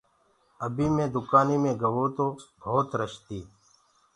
ابيٚ مي دُڪآنيٚ مي گوو تو ڀوت رش تيٚ